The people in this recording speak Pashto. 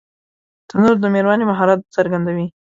تنور د مېرمنې مهارت څرګندوي